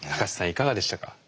いかがでしたか？